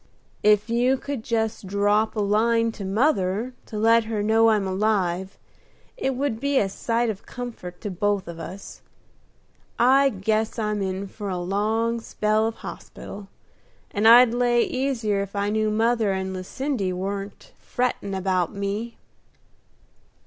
"If you could just drop a line to mother to let her know I'm alive, it would be a sight of comfort to both of us. I guess I'm in for a long spell of hospital, and I'd lay easier if I knew mother and Lucindy warn't frettin' about me."